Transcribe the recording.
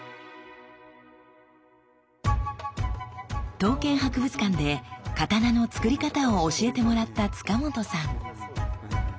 刀剣博物館で刀のつくり方を教えてもらった塚本さん。